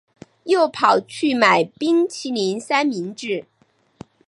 又跑去买冰淇淋三明治